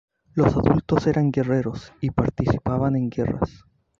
Los adultos eran guerreros y participaban en guerras.